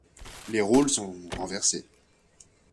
Les rôles sont renversés.